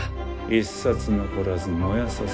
一冊残らず燃やさせる。